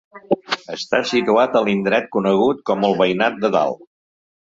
Està situat a l'indret conegut com el Veïnat de Dalt.